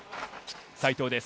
西藤です。